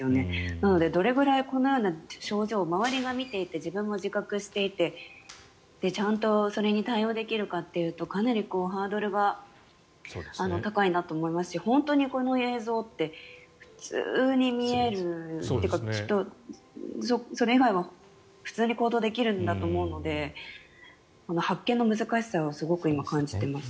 なので、どれくらいこのような症状を周りが見ていて自分も自覚していてちゃんとそれに対応できるかというとかなりハードルが高いなと思いますし本当にこの映像って普通に見えるというかきっとそれ以外は普通に行動できるんだと思うので発見の難しさを今、すごく感じています。